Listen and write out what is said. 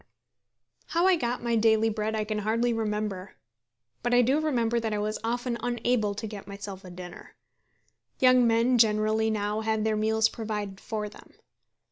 How I got my daily bread I can hardly remember. But I do remember that I was often unable to get myself a dinner. Young men generally now have their meals provided for them.